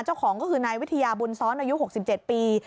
เจ้าของก็คือนายวิทยาบุญซ้อนอายุ๖๗ปี